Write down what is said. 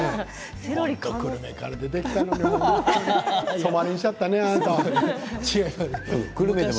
久留米から出てきたのに染まりんしゃったね、あんたも。